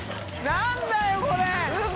何だよこれ！